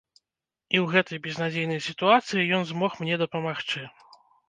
І ў гэтай безнадзейнай сітуацыі ён змог мне дапамагчы.